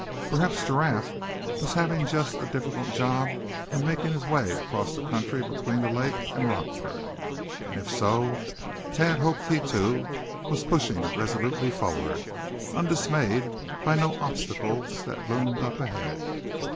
Perhaps Giraffe was having just such a difficult job in making his way across the country between the lake and Rockford; and if so, Thad hoped he too was pushing resolutely forward, undismayed by no obstacles that loomed up ahead.